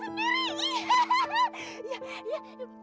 bang boleh mahan